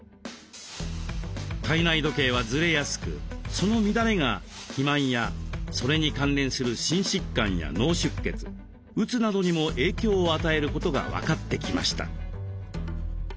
体内時計はずれやすくその乱れが肥満やそれに関連する心疾患や脳出血うつなどにも影響を与えることが分かってきました。